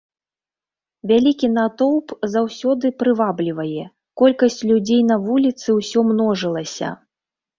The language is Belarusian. Вялікі натоўп заўсёды прываблівае, колькасць людзей на вуліцы ўсё множылася.